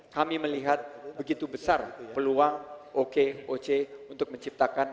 kami melihat begitu besar peluang okoc untuk menciptakan